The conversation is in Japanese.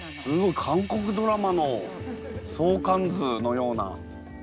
韓国ドラマの相関図のような。